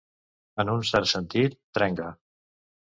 En un cert sentit, trenca.